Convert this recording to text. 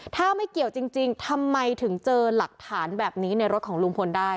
ถ้าไม่เกี่ยวจริงทำไมถึงเจอหลักฐานแบบนี้ในรถของลุงพลได้